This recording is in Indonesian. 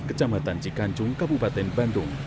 kecamatan cikancung kabupaten bandung